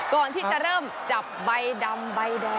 ก่อนที่จะเริ่มจับใบดำใบแดง